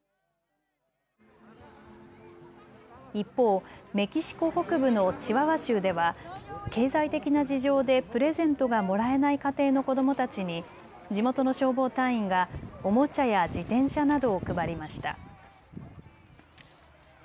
一方、メキシコ北部のチワワ州では経済的な事情でプレゼントがもらえない家庭の子どもたちに地元の消防隊員がおもちゃや自転車などを配りました。